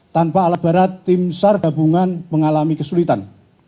tanpa alat berat tim sar gabungan mengalami kesulitan